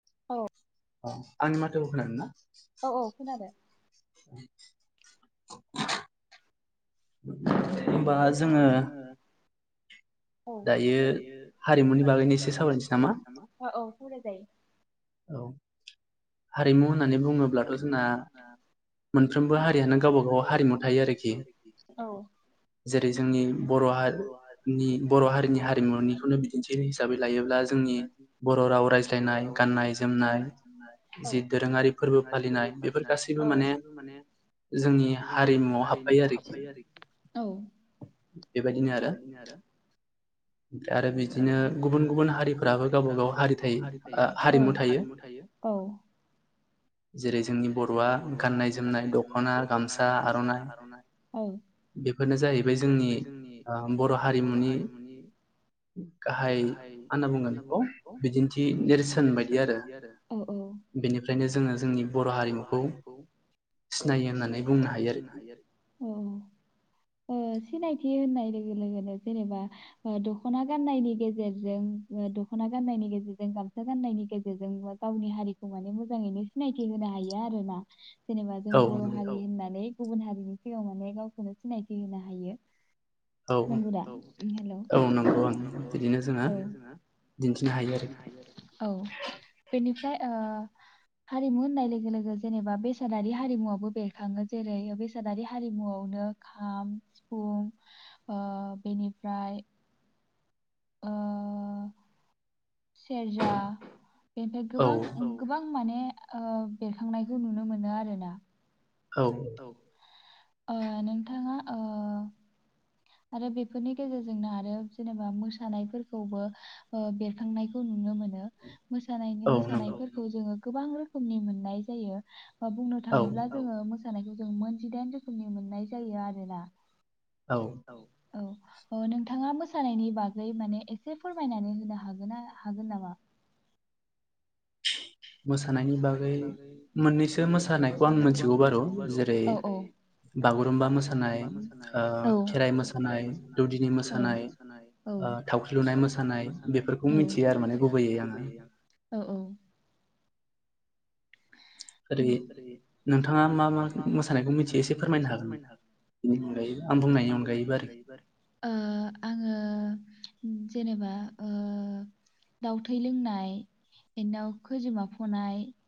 औ [inaudible] औ औ खोनादों होनबा जोङो औ दायो हारिमुनि बागैनो एसे सावरायनोसै नामा औ। सावराय जायो। औ हारिमु होननानै बुङोब्लाथ' जोंना मोनफ्रोमबो हारियानो गावबा गाव हारिमु थायो आरोखि जेरै जोंनि बर' हारिनि बर' हारिनि हारिमुनिखौनो बिदिन्थि हिसाबै लायोब्ला जोंनि बर' राव रायज्लायनाय गाननाय जोमनाय औ। जि दोरोङारि फोरबो फालिनाय--औ बेफोर गासैबो माने जोंनि हारिमुआव हाबफायो आरोखि औ। बेबायदिनो आरो ओमफ्राय आरो बिदिनो गुबुन गुबुन हारिफोराबो गावबा गाव हारि थायो। औ--हारिमु थायो--औ जेरै जोंनि बर'आ गाननाय जोमनाय दख'ना गामसा आर'नाइ बेफोरनो जाहैबाय जोंनि आ बर' हारिमुनि गाहाय। मा होनना बुंङो बिखौ बिदिन्थि नेर नेरसोन बायदि आरो औ औ--बेनिफ्रायनो जोङो जोंनि बर' हारिमुखौ सिनायो होननानै बुंनो हायो आरोखि--अ अ ओ सिनाय थि होननाय लोगो लोगोनो जेनेबा दख'ना गाननायनि गेजेरजों दख'ना गाननायनि गेजेरजों गामसा गाननायनि गेजेरजों गावनि हारिखौ माने मोजाङैनो सिनायथि होनो हायो आरो ना जेने जों बर' हारि होननानै गुबुन हारिनि सिगाङाव माने गावखौनो सिनायथि होनो हायो। नंगौ दा? हेलौ औ औ बेनि ओ हारिमु होननाय लोगो लोगो जेनेबा बेसादारि। हारिमुआवबो बेरखाङो जेरै बेसादारि हारिमुवावनो खाम सिफुं ओ बेनिफ्राय ओ सेरजा बेनिफ्राय गोबां गोबां माने ओ बेरखांनायखौ नुनो मोनो आरो ना। औ--ओ नोंथाङा ओ आरो बेफोरनि गेजेरजोंनो आरो जेनेबा मोसानायफोरखौबो ओ बेरखांनायखौ नुनो मोनो। मोसानायनि मोसानायफोरखौ जोङो गोबां रोखोमनि मोननाय जायो। बुंनो थाङोब्ला जोङो मो सानायखौ जों मोनजिदाइन रोखोमनि मोननाय जायो आरो ना। औ। औ ओ नोंथाङा मोसानायनि बागै माने एसे फोरमायनानै होनो हागोन ना हागोन नामा? मोसानायनि बागै मोननैसो मोसानायखौ आं मिथिगौ बारु औ औ बागुरुम्बा मोसानाय--औ ओ खेराइ मोसानाय--औ दौदिनि मोसानाय औ--ओ थावख्रि लुनाय मोसानाय--औ बेफोरखौ मिथियो आरो माने गुबैयै आङो औ औ। ओ आङो जेनेबा ओ दाउ थै लोंनाय, बिनि उनाव खैजोमा फनाय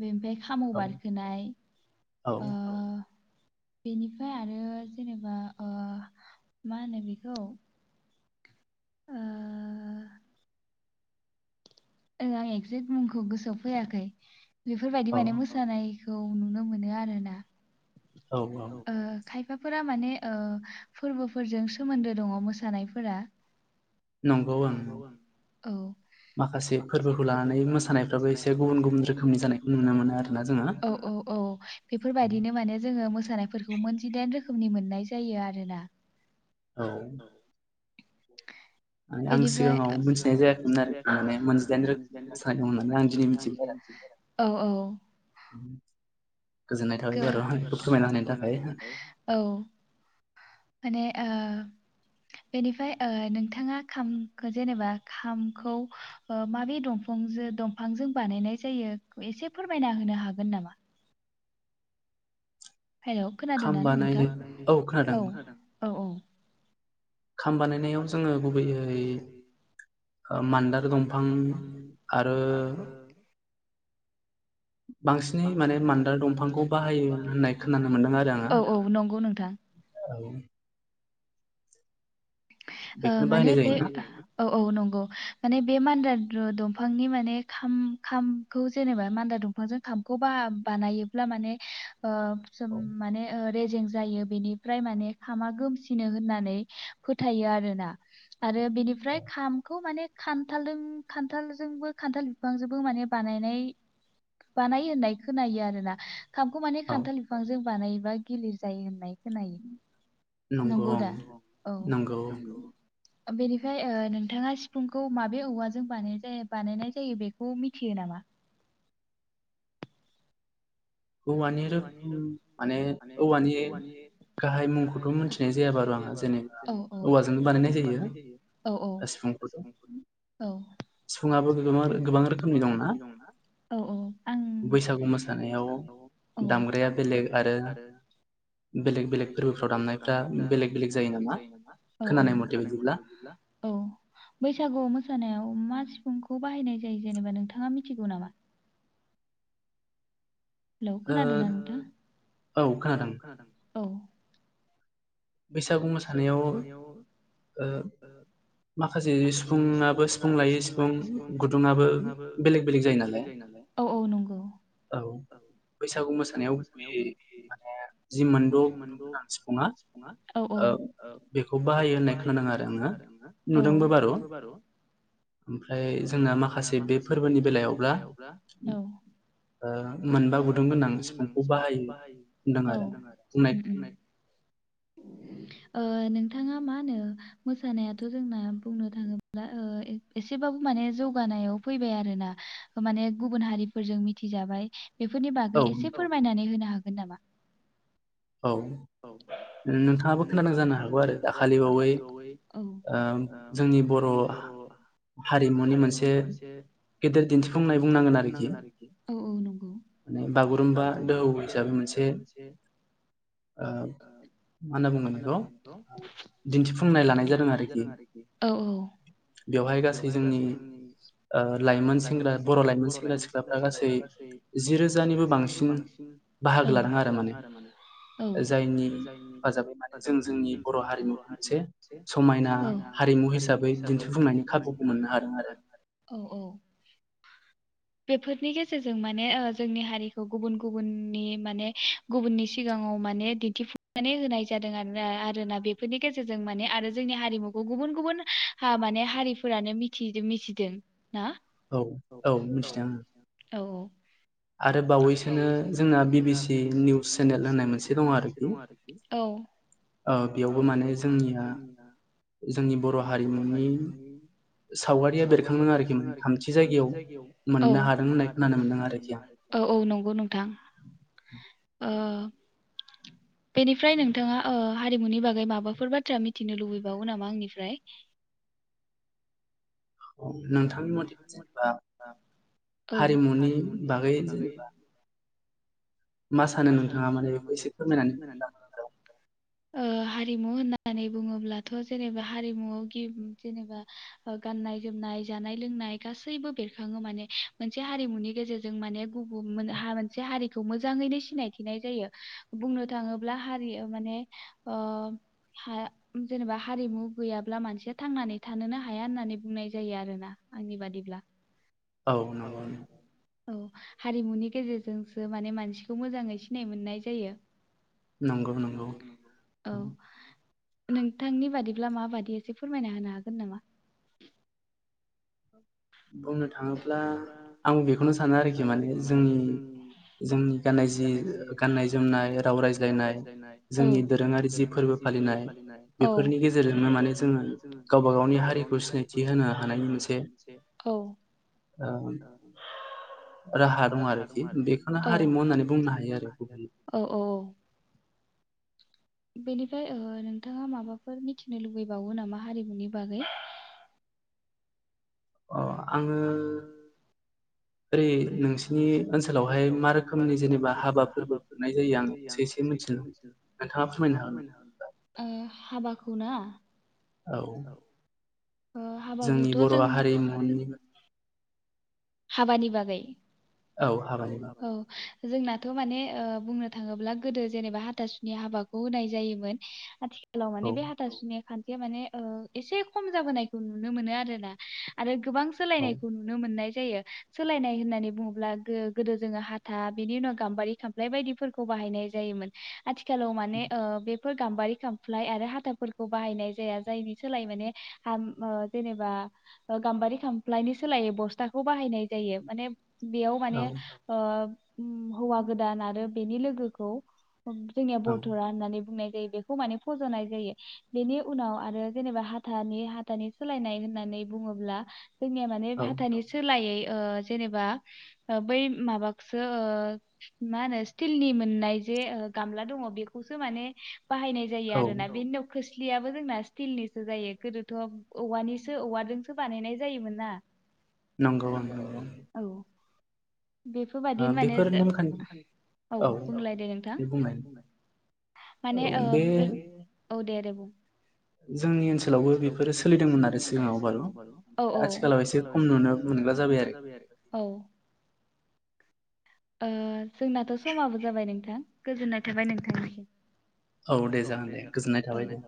बे बे खामाव बारखोनाय औ बेनिफ्राय आरो जेनेबा ओ मा होनो बेखौ आं एकजेक मुंखौ गोसोआव फैयाखै बेफोरबायदि माने मोसानाय खौ नुनो मोनो आरोना ओ खाय फाफोरा माने ओ फोरबोफोरजों सोमोन्दो दङ मोसानायफोरा नंगौ आं औ माखासे फोरबोखौ लानानै मोसानायफ्राबो एसे गुबुन गुबुन रोखोमनि जानायखौ नुनो मोनो औ औ औ बेफोरबायदिनो माने जोङो मोस मोसानायफोरखौ मोनजिदाइन रोखोमनि मोननाय जायो आरोना औ बेनिफ्राय आं सिगाङाव मिथिनाय जायाखैमोन आरोखि माने मोनजिदाइन रोखोमनि मोसानाय दं होननानै आं दिनै मिथिबाय औ औ गो गोजोनाय थाबाय बारू बेखौ फोरमायना होनायनि थाखाय औ माने ओ बेनिफ्राय ओ नोंथाङा खाम खो जेनेबा खामखौ ओ माबे दंफांजो दंफांजों बानायनाय जायो एसे फोरमायना होनो हागोन नामा हेल खोनादों ना नोंथां खाम बानायनायनि औ औ खोनादों औ औ खाम बानायनायाव जोङो गुबैयै मानदार दंफां आरो बांसिननै माने मानदार दंफांखौ बाहायो होननाय खोनानो मोनदों आरो आङो औ ओ माने बे औ औ नंगौ माने बे मानदार दंफांनि माने खाम खामखौ जेनेबा मानदार दंफांजों खामखौ बा बानायोब्ला माने ओ जो माने रेजें जायो बेनिफ्राय माने खामा गोमसिनो होननानै फोथायो आरोना आरो बिनिफ्राय खामखौ माने खान्थालजों खान्थालजोंबो खान्थाल बिफांजोंबो माने बानायनाय बानाय होननाय खोनायो आरोना खामखौ मान खान्थाल बिफां ज बानायोबा गिलिर जायो होननाय खोनायो नंगौ दा नंगौ बेनिफ्राय ओ नोंथाङा सिफुंखौ माबे औवाजों बानाय बानायनाय जायो बेखौ मिथियो नामा औवानि माने औवानि गाहाय मुंफोरखौ मिथिनाय जायााब आरो आ औवाजों बानायनाय जायो औ सिफ सिफुो गोबां रोखोमनि दंनाा औ औ आं बैसागु मोसानायाव औ दामग्राया बेलेग आरो बेले बेले फोरबो दामनायफ जायो नामा? औ औ खोनानाय मथैब्ला औ बैसागु मोसानायाव। मा सिफुंखौ बाहायनाय जायो जेनेबा नोंथाङा मिथिगौ नामा? हेल' खोनादों नोंथां? औ बैसागु मोसानायाव, ओ माखासे सिफुङआबो सिफुं लायै सिफुं गुदुङाबो बेलेग बेलेग जायो नालाय, औ बैसागु मोसानायाव गुबै माने जि मोनद' गुदुं गोनां सिफुङा। औ औ औ बेखौ बाहायो होननाय खोनादों आरो नङो औ नुदोंबो बारू। ओमफ्राय जोंना माखासे बे फोरबोनि बेलायावब्ला मोनबा गुदुं गोनां सिफुंखौ बाहायो आरो। ओ नोंथाङा मा होनो? मोसानायाथ' जोंना बुंनो थाङोब्ला। एसेबाबो माने जौगानायाव फैबाय आरो ना माने गुबुन हारिफोरजों मिथिजाबाय। बेफोरनि बागै एसे फोरमायनानै होनो हागोन। हागोन नामा? औ नोंथाङाबो खोनादों जानो हागौ आरो, दाखालिबावै ओ जोंनि बर' हारिमुनि मोनसे गेदेर दिन्थिफुंनाय बुंनांगोन आरोखि औ औ नंगौ बागुरुम्बा दोहौ हिसाबै मोनसे। मा होनना बुंगोन बेखौ? दिन्थिफुंनाय लानाय जादों आरोखि, औ औ बेवहाय गासै जोंनि लाइमोन सेंग्रा बर' लाइमोन सेंग्रा सिख्लाफ्रा गासै जि रोजानिबो बांसिन बाहागो लादों आरो माने। औ जायनि हेफाजाब जों जोंनि बर' हारिमु मोनसे समायना हारिमु हिसाबै दिन्थिफुंनायनि खाबुखौ मोननो हादों आरो। बेफोरनि गेजेरजों माने जोंनि हारिखौ गुबुन गुबुननि माने गुबुननि सिगाङाव। माने दिन्थिफुंनानै होनाय जादों आरो आरोनन? बेफोरनि गेजेरजों माने आरो जोंनि हारिमुखौ गुबुन गुबुन हा माने हारिफोरानो मिथि मिथिदों। औ औ मिथिदों आं। आरो बावैसोनो जोंना बि बि सि निउस चेनेल होननाय मोनसे। होननाय मोनसे दङ आरोखि औ। औ बेयावबो माने जोंनिया जोंनि बर' हारिमुनि सावगारिया बेरखाङो आरोखि थामथि जायगायाव औ मोननो हादों होन खोनानो मोनदों आरो औ औ नंगौ नोंथां ओ। बेनिफ्राय नोंथाङा ओ हारिमुनि बागै माबाफोर बाथ्रा मिथिनो लुबैबावो नामा आंनिफ्राय? नोंथांनि मथेखा जेनेबा हारिमुनि बागै जेनेबा। मा सानो नोंथाङा माने बेखौ एसे फोरमायनानै। ओ हारिमु होननानै बुङोब्लाथ' जेनेबा हारिमुआव गि जेनेबा ओ गाननाय जोमनाय जानाय लोंनाय गासैबो बेरखाङो माने, मोनसे हारिमुनि गेजेरजों माने गुबुन मा मोनसे हारिखौ मोजाङैनो सिनायथिनाय जायो बुंनो थाङोब्ला हारि माने, ओ हा जेनेबा हारिमु गैयाब्ला मानसिया थांनानै थानोनो हाया होननानै बुंनाय जायो आरोना, आंनि बादिब्ला। औ नंगौ। औ हारिमुनि गेजेरजोंसो माने मानसिखौ मोजाङै सिनाय मोननाय जायो। [unintelligible] औ नोंथांनि बादि ब्ला माबादि एसे फोरमायना होनो हागोन नामा? [unintelligible] [inaudible] औ औ औ बेनिफ्राय ओ नोंथाङा माबाफोर मिथिनो लुबैबावो नामा हारिमुनि बागै अ आङो ओरै नोंसिनि ओनसोलावहाय मा रोखोमनि जेनेबा हाबा फोरबो खुंनाय जायो आं बेखौसो एसे मिथिनो लुबैयो नोंथाङा फोरमायनो हागोन नामा ओ हाबाखौ ना औ जोंनि बर' हारिमुनि हाबानि बागै औ हाबानि बागै औ जोंनाथ' माने ओ बुंनो थाङोब्ला गोदो जेनेबा हाथासुनि हाबाखौ होनाय जायोमोन आथिखा लाव माने बे हाथासुनि फारसे माने ओ एसे खम जाबोनायखौ नुनो मोनो आरोना आरो गोबां सोलायनायखौ नुनो मोननाय जायो सोलायनाय होननानै बुङोब्ला गो गोदो जोङो हाथा बेनि उनाव गाम्बारि खामफ्लाय बायदिफोरखौ बाहायनाय जायोमोन आथिखालाव माने ओ बे फोर गाम्बारि खामफ्लाय आरो हाथाफोरखौ बाहायनाय जाया जायनि सोलायै माने हाम ओ जेनेबा ओगाम्बारि खामफ्लायनि सोलायै बस्थाखौ बाहायनाय जायो माने बे माने ओ हौवा गोदान आरो बेनि लोगोखौ जोंनिया बरथ'रा होननानै बुंनाय जायो बेखौ माने फज'नाय जायो बेनि उनाव आरो जेनेबा हाथानि हाथानि सोलायनाय होननानै बुङोब्ला जोंनिया माने हाथानि सोलायै ओ जेनेबा ओ बै माबाखौसो ओ मा होनो स्टिलनि मोननाय जे ओ गामला दङ बेखौसो माने बाहायनाय जायो आरोना बेनि उनाव खोस स्लियाबो जोंना स्टिलनिसो जायो गोदोथ' औवानिसो औवाजोंसो बानायनाय जायोमोन ना नंगौ नंगौ बेफोर बायदिनो माने औ बुंलाय दे नोंथां माने ओ औ दे दे बुं जोंनि ओनसोलावबो बेफोरो सोलिदोंमोन आरो सिगाङाव बारु औ औ आथिखालाव एसे खम नुनो मोनग्रा जाबाय आरो औ ओ जोंनाथ' समाबो जाबाय नोंथां गोजोननाय थाबाय नोंथां औ दे जागोन दे गोजोननाय थाबाय दे